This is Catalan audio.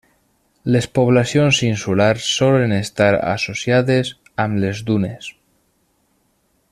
Les poblacions insulars solen estar associades amb les dunes.